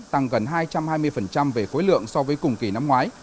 tăng gần hai trăm hai mươi về khối lượng so với cùng kỳ năm ngoái